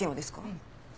うん。